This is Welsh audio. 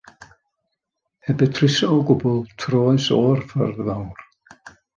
Heb betruso o gwbl, troes o'r ffordd fawr.